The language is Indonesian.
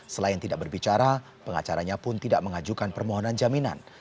selain tidak berbicara pengacaranya pun tidak mengajukan permohonan jaminan